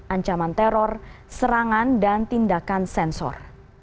ancaman teror serangan dan tindakan sensor